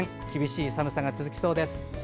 厳しい寒さが続きそうです。